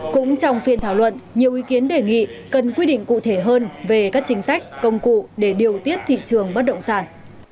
cũng trong phiên thảo luận nhiều ý kiến đề nghị cần quy định cụ thể hơn về các chính sách công cụ để điều tiết thị trường bất động sản